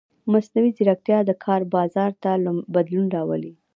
مصنوعي ځیرکتیا د کار بازار ته بدلون راولي.